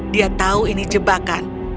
dia tahu ini jebakan